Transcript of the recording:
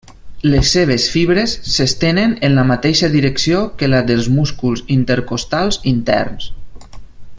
Les seves fibres s'estenen en la mateixa direcció que les dels músculs intercostals interns.